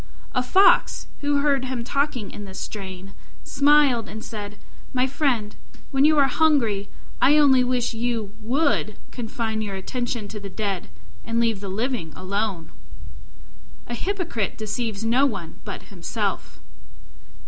A Fox, who heard him talking in this strain, smiled and said, "My friend, when you are hungry, I only wish you would confine your attention to the dead and leave the living alone." A hypocrite deceives no one but himself.